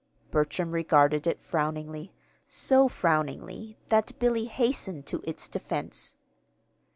Bertram regarded it frowningly, so frowningly that Billy hastened to its defense.